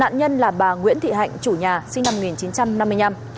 nạn nhân là bà nguyễn thị hạnh chủ nhà sinh năm một nghìn chín trăm năm mươi năm